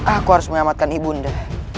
aku harus menyelamatkan ibu anda